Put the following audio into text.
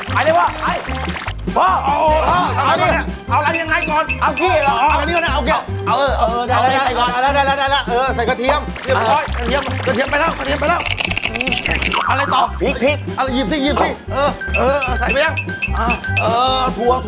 มาเอาเลยครับไปพ่อไปไปเลยพ่อไปพ่อเอาเอาเอา